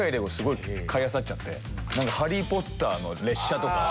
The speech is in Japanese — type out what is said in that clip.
『ハリー・ポッター』の列車とか。